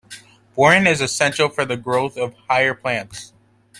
Boron is essential for the growth of higher plants.